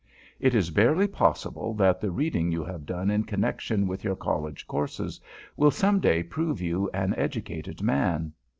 It is barely possible that the reading you have done in connection with your College courses will some day prove you an educated man.